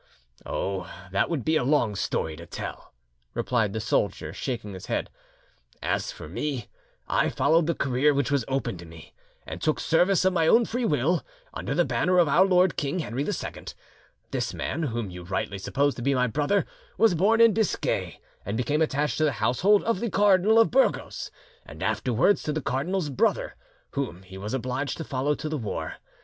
"Oh, that would be a long story to tell," replied the soldier, shaking his head. "As for me, I followed the career which was open to me, and took service of my own free will under the banner of our lord king, Henry II. This man, whom you rightly suppose to be my brother, was born in Biscay, and became attached to the household of the Cardinal of Burgos, and afterwards to the cardinal's brother, whom he was obliged to follow to the war.